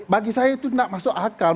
bagi saya itu tidak masuk akal